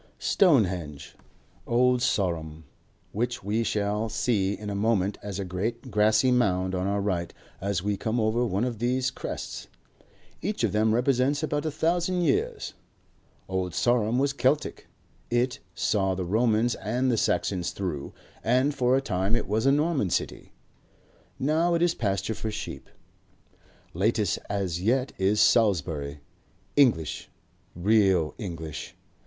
Stonehenge. Old Sarum, which we shall see in a moment as a great grassy mound on our right as we come over one of these crests. Each of them represents about a thousand years. Old Sarum was Keltic; it, saw the Romans and the Saxons through, and for a time it was a Norman city. Now it is pasture for sheep. Latest as yet is Salisbury, English, real English.